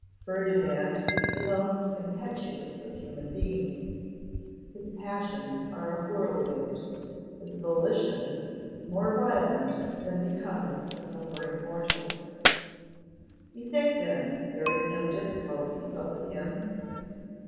Ferdinand is the most impetuous of human beings. His passions are a whirlwind; his volition more violent than becomes a suffering mortal.' 'You think, then, there is no difficulty but with him?